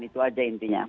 itu aja intinya